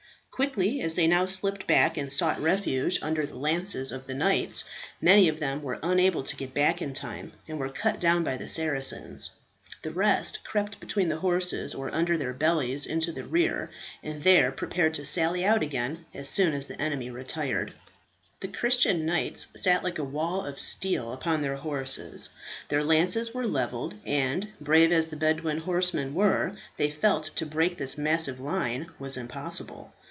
Quickly as they now slipped back and sought refuge under the lances of the knights, many of them were unable to get back in time, and were cut down by the Saracens. The rest crept between the horses or under their bellies into the rear, and there prepared to sally out again as soon as the enemy retired, The Christian knights sat like a wall of steel upon their horses, their lances were levelled, and, brave as the Bedouin horsemen were, they felt to break this massive line was impossible.